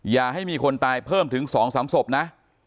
อย่าให้มีคนตายเพิ่มถึง๒๓ศพนะ